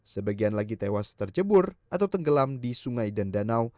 sebagian lagi tewas tercebur atau tenggelam di sungai dan danau